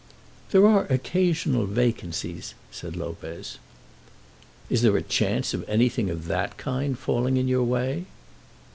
"There are occasional vacancies," said Lopez. "Is there a chance of anything of that kind falling in your way?"